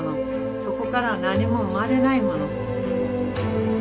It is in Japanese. そこからは何も生まれないもの。